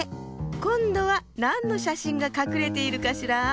こんどはなんのしゃしんがかくれているかしら？